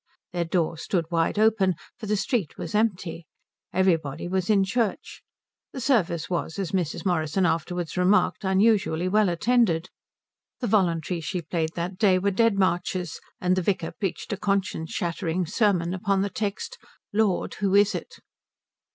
Their door stood wide open, for the street was empty. Everybody was in church. The service was, as Mrs. Morrison afterwards remarked, unusually well attended. The voluntaries she played that day were Dead Marches, and the vicar preached a conscience shattering sermon upon the text "Lord, who is it?"